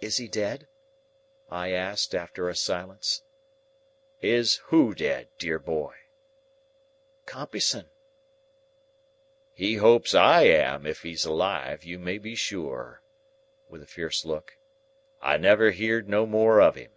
"Is he dead?" I asked, after a silence. "Is who dead, dear boy?" "Compeyson." "He hopes I am, if he's alive, you may be sure," with a fierce look. "I never heerd no more of him."